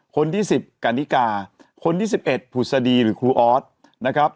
คนที่๑๐กันนิกาคนที่๑๑ผุศดีหรือครูออสนะครับ